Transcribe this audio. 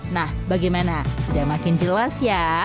nah bagaimana sudah makin jelas ya